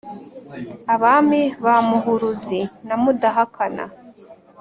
abami ba muhuruzi na mudahakana,